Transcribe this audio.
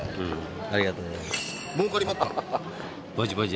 ありがとうございます。